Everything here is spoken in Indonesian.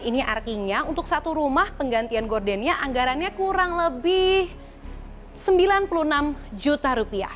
ini artinya untuk satu rumah penggantian gordennya anggarannya kurang lebih rp sembilan puluh enam juta rupiah